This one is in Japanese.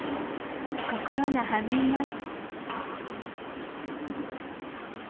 心が弾みます。